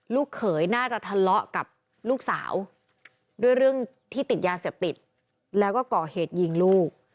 ลูกเขยน่าจะทะเลาะกับลูกสาวด้วยเรื่องที่ติดยาเสพติดแล้วก็ก่อเหตุยิงลูก